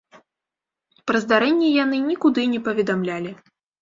Пра здарэнне яны нікуды не паведамлялі.